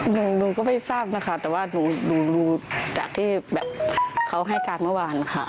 หนูก็ไม่ทราบนะคะแต่ว่าหนูดูจากที่แบบเขาให้การเมื่อวานค่ะ